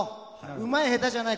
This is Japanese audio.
うまい下手じゃない。